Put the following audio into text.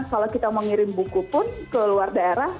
kalau kita mau ngirim buku pun ke luar daerah